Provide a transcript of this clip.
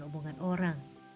bukan hubungan orang